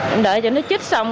em đợi cho nó chích xong